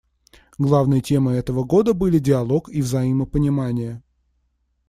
Главной темой этого Года были диалог и взаимопонимание.